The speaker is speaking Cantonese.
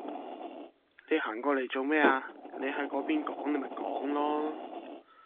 你行過嚟做咩呀，你喺嗰邊講你咪講囉